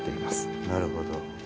なるほど。